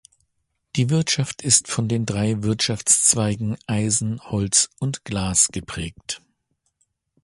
Die Wirtschaft ist von den drei Wirtschaftszweigen Eisen, Holz und Glas geprägt.